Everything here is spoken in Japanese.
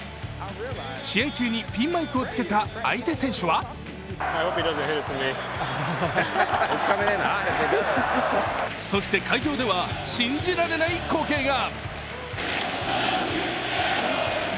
試合中にピンマイクをつけた相手選手はそして、会場では信じられない光景が。